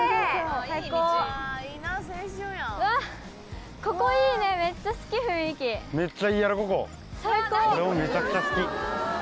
俺もめちゃくちゃ好き。